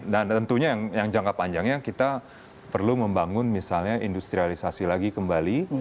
dan tentunya yang jangka panjangnya kita perlu membangun misalnya industrialisasi lagi kembali